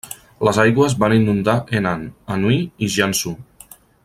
Les aigües van inundar Henan, Anhui i Jiangsu.